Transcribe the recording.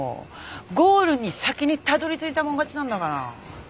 ゴールに先にたどり着いたもん勝ちなんだから。